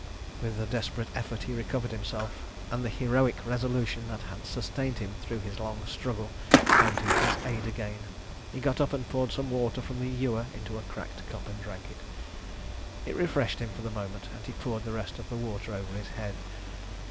With a desperate effort he recovered himself, and the heroic resolution that had sustained him through his long struggle came to his aid again. He got up and poured some water from the ewer into a cracked cup and drank it. It refreshed him for the moment, and he poured the rest of the water over his head.